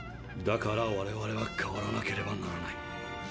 だから我々は変わらなければならない。